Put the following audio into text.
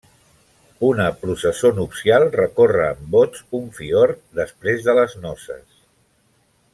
Una processó nupcial recorre en bots un fiord després de les noces.